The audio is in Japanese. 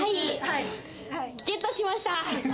ゲットしました。